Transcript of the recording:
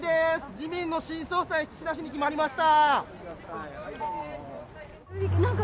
自民の新総裁、岸田氏に決まりました。